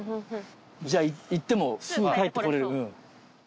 じゃあ行ってもすぐ帰ってこられる。